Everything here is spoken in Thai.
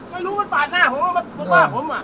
ไม่รู้มันปาดหน้าผมก็มาว่าผมอ่ะ